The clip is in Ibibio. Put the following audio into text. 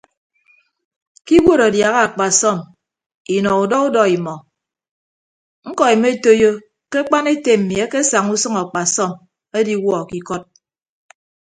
Ke iwuod adiaha akpasọm inọ udọ udọ imọ ñkọ emetoiyo ke akpan ete mmi akesaña usʌñ akpasọm ediwuọ ke ikọd.